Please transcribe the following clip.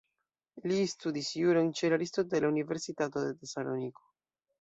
Li studis juron ĉe la Aristotela Universitato de Tesaloniko.